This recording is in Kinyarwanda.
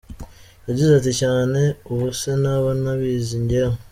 Yagize ati : "Cyane... Ubuse naba ntabizi njyewe ?